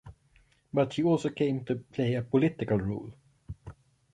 But she also came to play a political role.